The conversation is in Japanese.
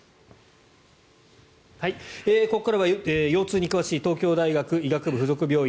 ここからは腰痛に詳しい東京大学医学部附属病院